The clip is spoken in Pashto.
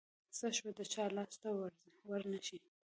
څه شوه د چا لاس ته ورنشي.